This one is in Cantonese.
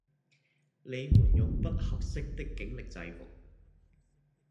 你們不用「合適」的警力制服